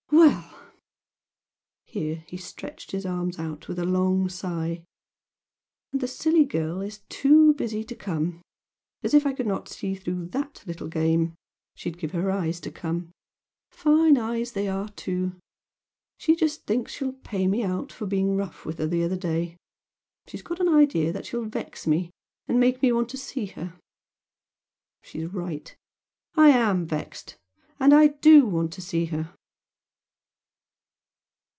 Well!" here he stretched his arms out with a long sigh "And the silly girl is 'too busy' to come! As if I could not see through THAT little game! She'd give her eyes to come! fine eyes they are, too! She just thinks she'll pay me out for being rough with her the other day she's got an idea that she'll vex me, and make me want to see her. She's right, I AM vexed! and I DO want to see her!"